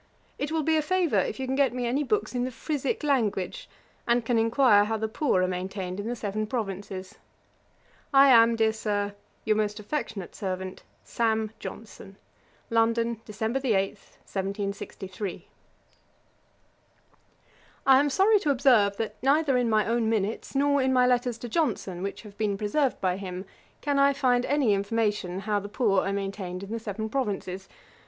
It will be a favour if you can get me any books in the Frisick language, and can enquire how the poor are maintained in the Seven Provinces. I am, dear Sir, 'Your most affectionate servant, 'SAM. JOHNSON.' 'London, Dec. 8, 1763.' I am sorry to observe, that neither in my own minutes, nor in my letters to Johnson, which have been preserved by him, can I find any information how the poor are maintained in the Seven Provinces.